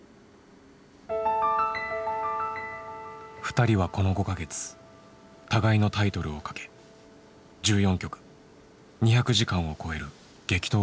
２人はこの５か月互いのタイトルをかけ１４局２００時間を超える激闘を繰り広げた。